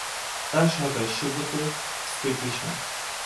তার সহকারী সুব্রত, স্ত্রী কৃষ্ণা।